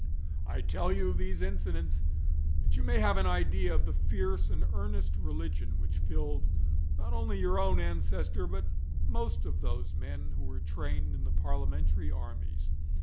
I tell you these incidents that you may have an idea of the fierce and earnest religion which filled not only your own ancestor, but most of those men who were trained in the parliamentary armies.